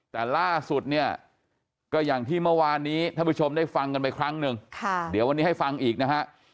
แต่ล่าสุดเนี่ยก็อย่างที่เมื่อวานนี้ท่านผู้ชมได้ฟังกันไปครั้งหนึ่งเดี๋ยววันนี้ให้ฟังอีกนะฮะ